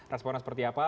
responnya seperti apa